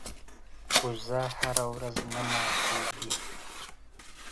کوزه هره ورځ نه ماتېږي.